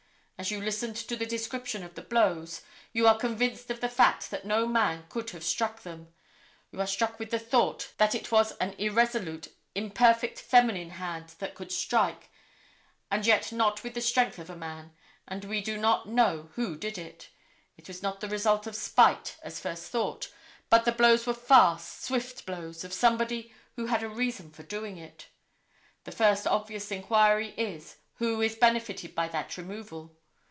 As you listened to the description of the blows, you are convinced of the fact that no man could have struck them. You are struck with the thought that it was an irresolute, imperfect feminine hand that could strike, and yet not with the strength of a man, and we do not know who did it. It was not the result of spite as first thought, but the blows were fast, swift blows of somebody who had a reason for doing it. The first obvious inquiry is, who is benefited by that removal.